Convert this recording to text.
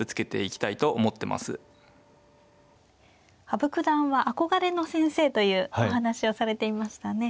羽生九段は憧れの先生というお話をされていましたね。